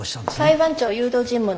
裁判長誘導尋問です。